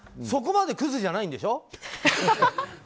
そこまでクズじゃないんでしょ？